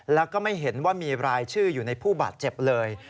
แล้วก็ไม่เห็นว่ามีรายชื่ออยู่ในผู้บาดเจ็บเลย